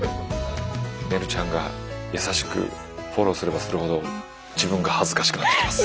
ねるちゃんが優しくフォローすればするほど自分が恥ずかしくなってきます。